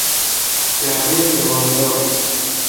جعبهی جواهرات